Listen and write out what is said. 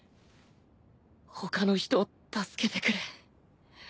他の人を助けてくれ。